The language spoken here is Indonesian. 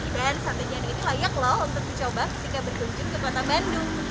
dan sate jando ini layak lho untuk dicoba ketika berkunjung ke kota bandung